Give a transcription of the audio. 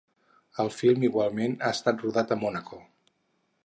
El film igualment ha estat rodat a Mònaco.